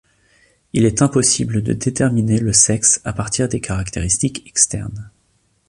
Il est impossible de déterminer le sexe à partir des caractéristiques externes.